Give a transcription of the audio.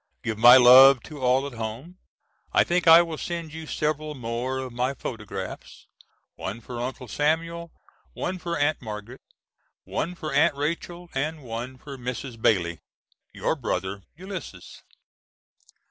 Give my love to all at home. I think I will send you several more of my photographs, one for Uncle Samuel, one for Aunt Margaret, one for Aunt Rachel and one for Mrs. Bailey. Your Brother, ULYS.